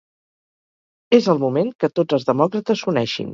És el moment que tots els demòcrates s'uneixin.